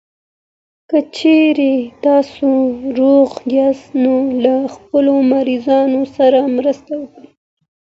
که چېرې تاسو روغ یاست، نو له خپلو مريضانو سره مرسته وکړئ.